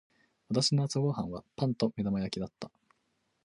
私の朝ご飯はパンと目玉焼きだった。